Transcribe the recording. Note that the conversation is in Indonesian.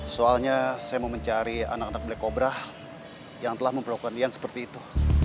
soalnya saya mau mencari anak anak black kobra yang telah memperlakukan lian seperti itu